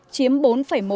tiếm bốn một kế hoạch thu